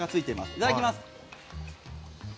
いただきます。